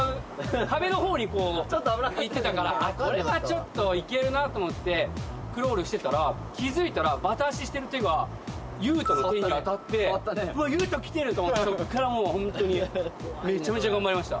行ってたからこれはちょっといけるなと思ってクロールしてたら気付いたらバタ足してる裕翔の手に当たって裕翔来てる！と思ってそっからもうホントにめちゃめちゃ頑張りました。